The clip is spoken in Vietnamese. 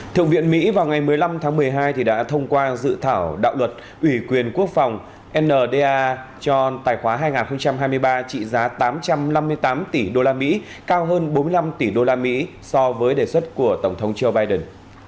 thượng viện mỹ vào ngày một mươi năm tháng một mươi hai đã thông qua dự thảo đạo luật ủy quyền quốc phòng nda cho tài khoá hai nghìn hai mươi ba trị giá tám trăm năm mươi tám tỷ usd cao hơn bốn mươi năm tỷ usd so với đề xuất của tổng thống joe biden